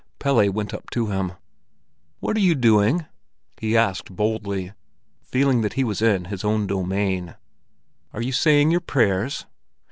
Pelle went up to him. "What are you doing?" he asked boldly, feeling that he was in his own domain. "Are you saying your prayers?"